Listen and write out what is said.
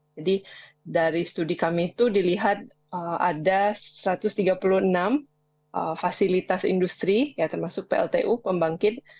jadi dari studi kami itu dilihat ada satu ratus tiga puluh enam fasilitas industri termasuk pltu pembangkit